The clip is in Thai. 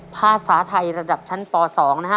ภาษาไทยระดับชั้นป๒นะฮะ